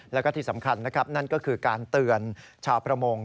แล้วก็ที่สำคัญนะครับนั่นก็คือการเตือนชาวประมง